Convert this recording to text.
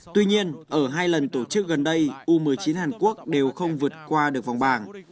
tuy nhiên ở hai lần tổ chức gần đây u một mươi chín hàn quốc đều không vượt qua được vòng bảng